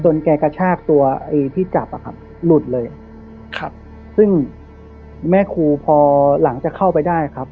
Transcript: แกกระชากตัวไอ้ที่จับอ่ะครับหลุดเลยครับซึ่งแม่ครูพอหลังจากเข้าไปได้ครับ